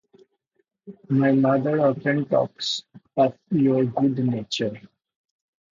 My mother often talks of your good nature.